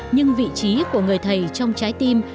nhưng vị trí của người thầy trong trái tim